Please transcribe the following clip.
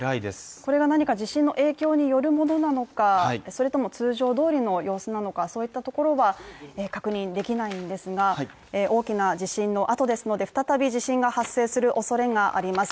これが何か地震の影響によるものなのかそれとも通常どおりの様子なのかは確認できないんですが、大きな地震のあとですので再び地震が発生するおそれがあります。